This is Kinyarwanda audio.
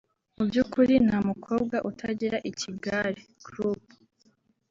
Mu byukuri nta mukobwa utagira ikigare (group)